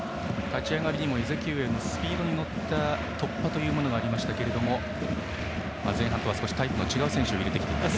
立ち上がりにエゼキエウのスピードに乗った突破というものがありましたが前半とはタイプの違う選手を入れてきています。